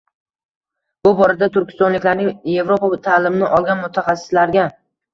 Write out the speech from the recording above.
Bu borada turkistonliklarning Evropa ta`limini olgan mutaxassislarga